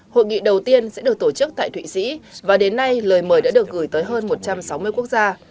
hội nghị đầu tiên sẽ được tổ chức tại thụy sĩ và đến nay lời mời đã được gửi tới hơn một trăm sáu mươi quốc gia